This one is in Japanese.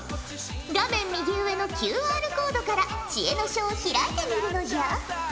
画面右上のＱＲコードから知恵の書を開いてみるのじゃ。